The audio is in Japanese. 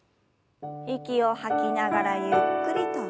息を吐きながらゆっくりと前に。